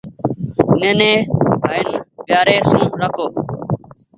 نيني ڀآئين پيآري سون رآکو ۔